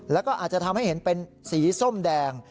แล้วก็อาจจะทำให้เห็นเป็นสีส้มแดง